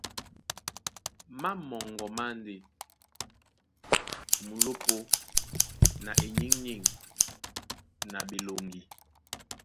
Má moŋgo má e ndé/ Mulópō na eniŋniŋ na ɓeloŋgi.